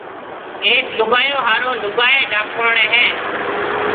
ايٿ لوگايون ھارو لوگائيَ ڊاڪروڻيَ ھيََََ